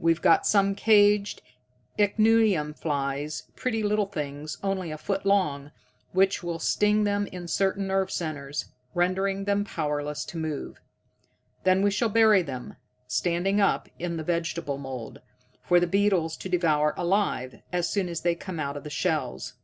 We've got some caged ichneumon flies, pretty little things only a foot long, which will sting them in certain nerve centers, rendering them powerless to move. Then we shall bury them, standing up, in the vegetable mould, for the beetles to devour alive, as soon as they come out of the shells.